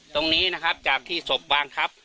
ตรงนี้นะครับจากที่ศพวางทับ